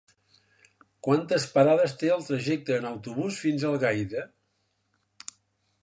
Quantes parades té el trajecte en autobús fins a Algaida?